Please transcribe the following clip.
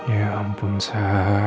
ya ampun sa